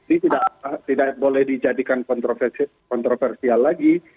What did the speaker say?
ini tidak boleh dijadikan kontroversial lagi